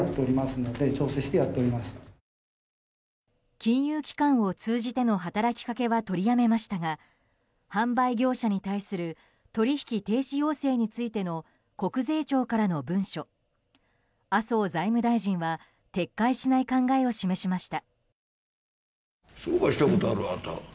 金融機関を通じての働きかけは取りやめましたが販売業者に対する取引停止要請についての国税庁からの文書麻生財務大臣は撤回しない考えを示しました。